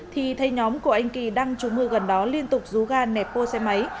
thì thấy nhóm của anh kỳ đang trú mưa gần đó liên tục rú ga nẹp bô xe máy